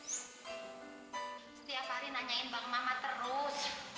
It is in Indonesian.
setiap hari nanyain bang mama terus